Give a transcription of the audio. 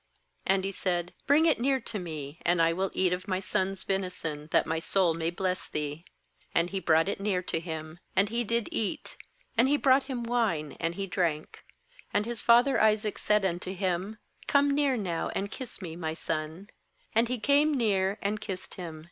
26And he said: 'Bring it near to me, and I will eat of my son's venison, that my soul f may bless thee/ And he brought it near to him, and he did eat; and he brought him wine, and he drank. MAnd his father Isaac said unto him: 'Come near now, and kiss me, my son.' 27And he came near, and kissed him.